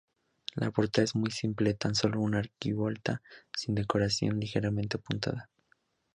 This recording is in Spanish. La portada es muy simple, tan solo una arquivolta sin decoración ligeramente apuntada.